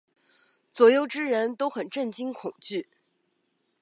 左右之人都很震惊恐惧。